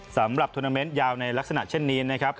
สำหรับทวนาเมนต์ยาวในลักษณะเช่นนี้นะครับ